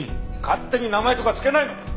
勝手に名前とか付けないの！